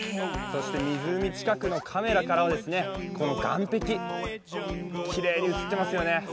そして湖近くのカメラからは、岸壁きれいに映っていますね。